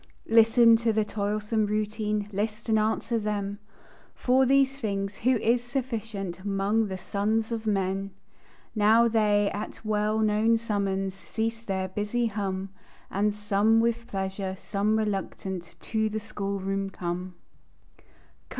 Listen to the toilsome routine, List, and answer them, For these things who is sufficient 'Mong the sons of men? Now they, at the well known summons, Cease their busy hum; And, some with pleasure, some reluctant, To the school room come.